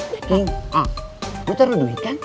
keng lu taruh duit kan